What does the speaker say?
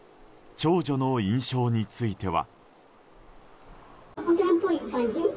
長女の印象については。